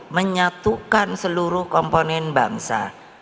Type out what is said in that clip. menyatukan seluruh komponen bangsa